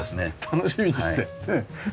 楽しみにしてねえ。